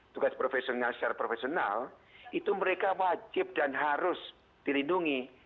tugas profesional secara profesional itu mereka wajib dan harus dilindungi